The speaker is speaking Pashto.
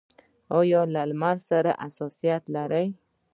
ایا له لمر سره حساسیت لرئ؟